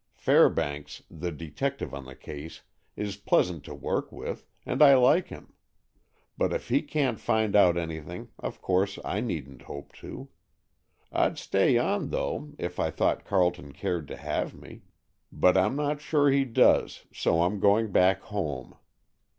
Fairbanks, the detective on the case, is pleasant to work with, and I like him; but if he can't find out anything, of course I needn't hope to. I'd stay on, though, if I thought Carleton cared to have me. But I'm not sure he does, so I'm going back home.